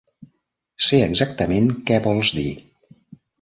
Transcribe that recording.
Sé exactament què vols dir.